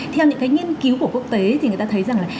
theo những cái nghiên cứu của quốc tế thì người ta thấy rằng là